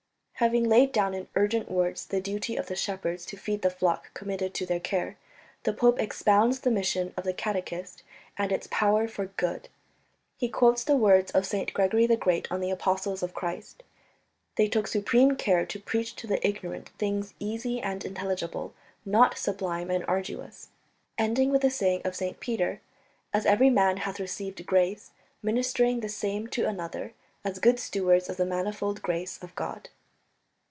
Having laid down in urgent words the duty of the shepherds to feed the flock committed to their care, the pope expounds the mission of the catechist, and its power for good. He quotes the words of St. Gregory the Great on the Apostles of Christ. "They took supreme care to preach to the ignorant things easy and intelligible, not sublime and arduous," ending with the saying of St. Peter, "as every man hath received grace, ministering the same one to another, as good stewards of the manifold grace of God."